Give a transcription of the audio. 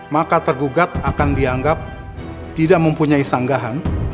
maka tergugat akan dianggap tidak mempunyai sanggahan